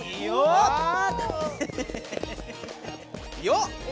よっ！